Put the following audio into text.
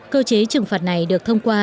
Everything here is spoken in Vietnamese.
cơ chế trừng phạt này được thông qua